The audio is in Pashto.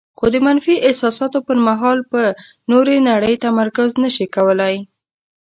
خو د منفي احساساتو پر مهال په نورې نړۍ تمرکز نشي کولای.